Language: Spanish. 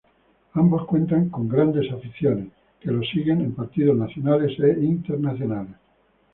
Ambos cuentan con grandes aficiones que los siguen en partidos nacionales e internacionales.